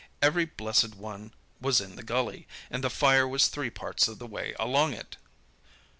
Every blessed one was in the gully, and the fire was three parts of the way along it!